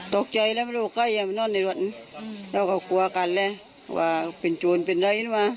ทุกส่วนทุกส่วนทุกวันเลยตั้งน้ายลังกายทั้งวันเลยว่ะ